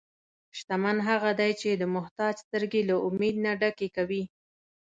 شتمن هغه دی چې د محتاج سترګې له امید نه ډکې کوي.